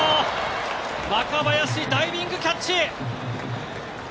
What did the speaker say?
若林、ダイビングキャッチ！